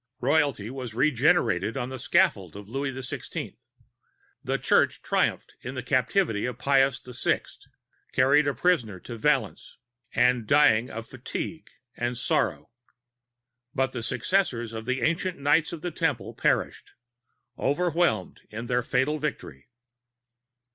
Royalty was regenerated on the scaffold of Louis XVI., the Church triumphed in the captivity of Pius VI., carried a prisoner to Valence, and dying of fatigue and sorrow, but the successors of the Ancient Knights of the Temple perished, overwhelmed in their fatal victory.